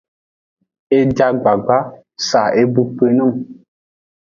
E ja gbagba, sa e bu kpi nung.